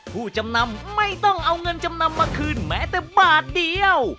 ผู้จำนำไม่ต้องเอาเงินจำนำมาคืนแม้แต่บาทเดียว